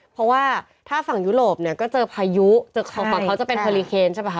เพราะว่าถ้าฝั่งยุโรปเนี่ยก็เจอพายุเขาจะเป็นเฮอริเคนใช่ป่ะ